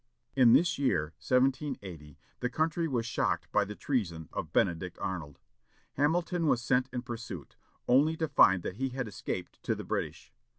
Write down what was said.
In this year, 1780, the country was shocked by the treason of Benedict Arnold. Hamilton was sent in pursuit, only to find that he had escaped to the British.